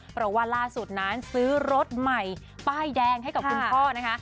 เพราะว่าล่าสุดนั้นซื้อรถใหม่ป้ายแดงให้กับคุณพ่อนะคะ